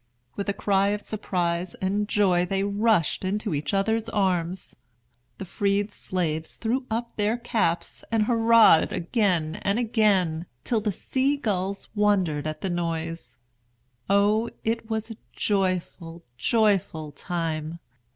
With a cry of surprise and joy they rushed into each other's arms. The freed slaves threw up their caps and hurrahed again and again, till the sea gulls wondered at the noise. O, it was a joyful, joyful time!